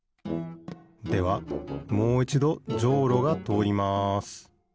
ではもういちどジョウロがとおります